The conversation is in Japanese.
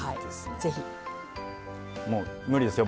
もう無理ですよ